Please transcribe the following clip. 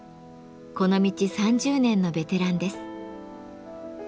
この道３０年のベテランです。